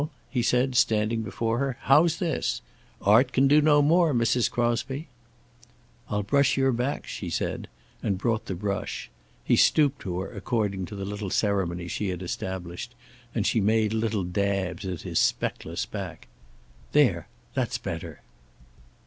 he said, standing before her, "how's this? Art can do no more, Mrs. Crosby." "I'll brush your back," she said, and brought the brush. He stooped to her, according to the little ceremony she had established, and she made little dabs at his speckless back. "There, that's better."